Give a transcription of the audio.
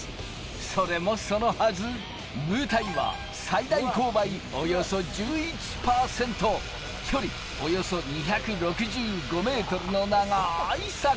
それもそのはず、舞台は最大勾配およそ１１％、距離およそ２６５ｍのながい坂！